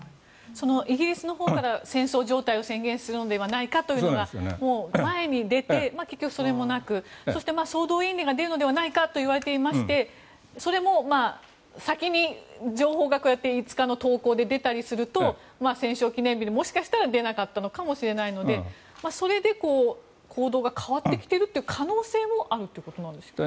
イギリスのほうから戦争状態を制限するのではないかというのはもう前に出て結局それもなくそして、総動員令が出るのではないかといわれていましてそれも先に情報がこうやって５日の投稿で出たりすると戦勝記念日にもしかしたら出なかったのかもしれないのでそれで行動が変わってきているという可能性もあるということなんでしょうか。